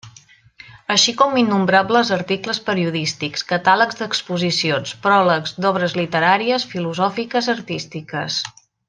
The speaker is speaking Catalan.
Així com innombrables articles periodístics, catàlegs d'exposicions, pròlegs d'obres literàries, filosòfiques, artístiques.